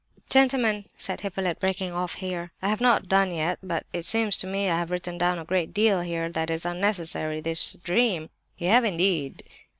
"Gentlemen!" said Hippolyte, breaking off here, "I have not done yet, but it seems to me that I have written down a great deal here that is unnecessary,—this dream—" "You have indeed!"